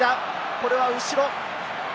これは後ろ。